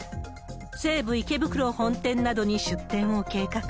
西武池袋本店などに出店を計画。